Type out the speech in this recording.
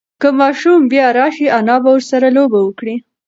که ماشوم بیا راشي، انا به ورسره لوبه وکړي.